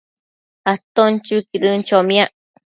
aton chuiquidën chomiac